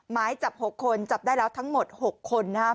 ไม้จับหกคนจับได้แล้วทั้งหมดหกคนนะฮะ